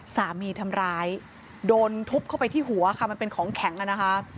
สามีทำร้ายโดนทุบเข้าไปที่หัวค่ะมันเป็นของแข็งอ่ะนะคะ